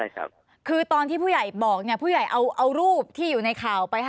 ผมเห็นตรงนั้นนะครับ